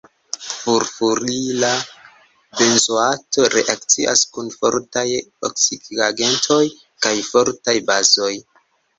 Furfurila benzoato reakcias kun fortaj oksidigagentoj kaj fortaj bazoj.